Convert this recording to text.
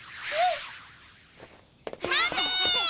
待て！